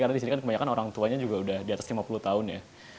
karena disini kan kebanyakan orang tuanya juga udah di atas lima puluh tahun ya